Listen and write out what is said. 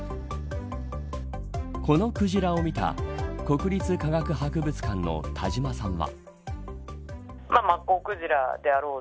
このクジラを見た国立科学博物館の田島さんは。